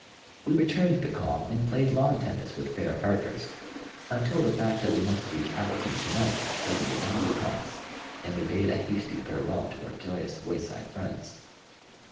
We returned the call and played lawn tennis with fair partners, until the fact that we must reach Appleton to night suddenly dawned upon us, and we bade a hasty farewell to our joyous wayside friends.